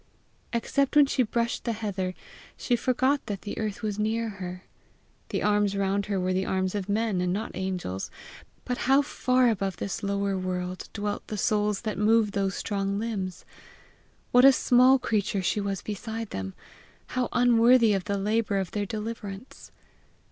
Except when she brushed the heather, she forgot that the earth was near her. The arms around her were the arms of men and not angels, but how far above this lower world dwelt the souls that moved those strong limbs! What a small creature she was beside them! how unworthy of the labour of their deliverance!